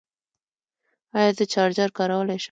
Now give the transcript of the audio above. ایا زه چارجر کارولی شم؟